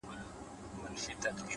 نظم ګډوډ ذهن آراموي’